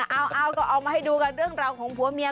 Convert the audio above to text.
เอาก็เอามาให้ดูกันเรื่องราวของผัวเมีย